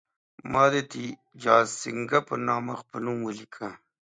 ما د تیجاسینګه په نامه خپل نوم ولیکه.